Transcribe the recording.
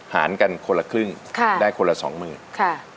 หารกันคนละครึ่งได้คนละสองหมื่น